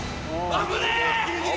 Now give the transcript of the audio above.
危ねえ！